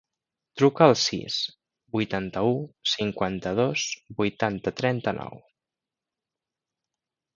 Truca al sis, vuitanta-u, cinquanta-dos, vuitanta, trenta-nou.